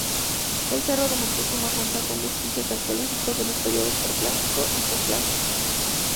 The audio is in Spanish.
El cerro de Moctezuma cuenta con vestigios arqueológicos de los periodos Preclásico y Posclásico.